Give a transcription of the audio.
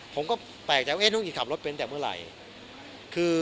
ผมก็แปลกใจว่าน้องอีขับรถเป็นแต่เมื่อไหร่